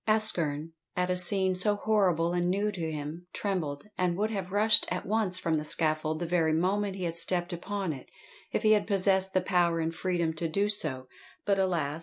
ASKERN, at a scene so horribie and new to him, trembled, and would have rushed at once from the scaffold the very moment he had stepped upon it, if he had possessed the power and freedom to do so; but alas!